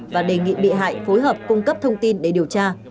và đề nghị bị hại phối hợp cung cấp thông tin để điều tra